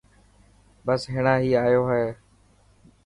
بس هينڻا هي آيو هي.